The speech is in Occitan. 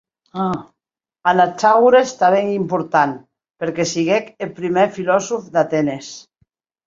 Anaxagores tanben ei important perque siguec eth prumèr filosòf d'Atenes.